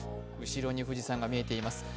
後ろに富士山が見えています。